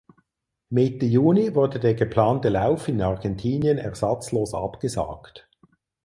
Mitte Juni wurde der geplante Lauf in Argentinien ersatzlos abgesagt.